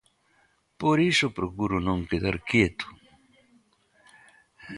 Por iso procuro non quedar quieto.